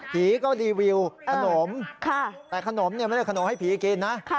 ผีก็รีวิวขนมแต่ขนมไม่ได้ขนมให้ผีกินนะ